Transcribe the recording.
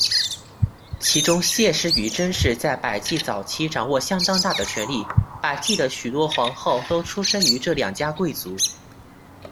其中解氏与真氏在百济早期掌握相当大的权力，百济的许多皇后都出身于这两家贵族。